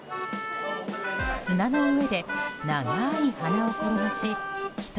砂の上で長い鼻を転がし１人